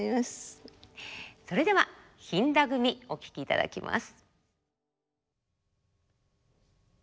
それでは「飛騨組」お聴きいただきます。